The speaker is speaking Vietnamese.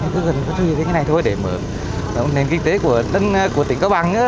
cứ gần gần như thế này thôi để mở nền kinh tế của tỉnh cao bằng